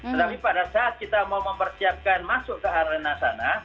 tetapi pada saat kita mau mempersiapkan masuk ke arena sana